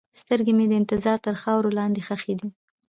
سترګې مې د انتظار تر خاورو لاندې ښخې دي.